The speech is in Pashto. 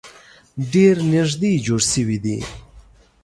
ډیر نیږدې جوړ شوي دي.